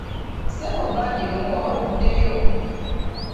Ssebo Badru ng'oluddeyo?